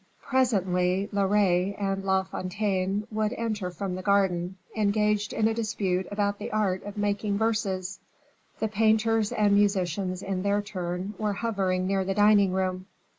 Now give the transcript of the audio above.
Presently Loret and La Fontaine would enter from the garden, engaged in a dispute about the art of making verses. The painters and musicians, in their turn, were hovering near the dining room.